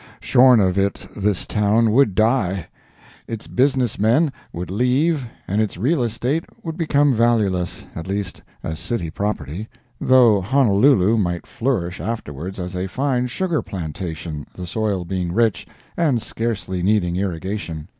Shorn of it this town would die—its businessmen would leave and its real estate would become valueless, at least as city property, though Honolulu might flourish afterwards as a fine sugar plantation, the soil being rich, and scarcely needing irrigation.